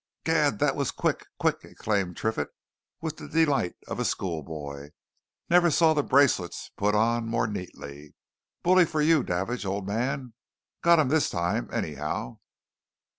"Gad! that was quick quick!" exclaimed Triffitt, with the delight of a schoolboy. "Never saw the bracelets put on more neatly. Bully for you, Davidge, old man! got him this time, anyhow!"